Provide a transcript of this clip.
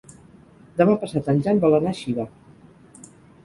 Demà passat en Jan vol anar a Xiva.